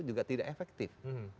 juga tidak efektif